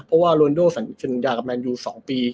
เพราะว่าโรนโดสันดากับแมนยู๒ปี